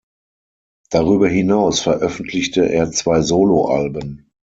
Darüber hinaus veröffentlichte er zwei Soloalben.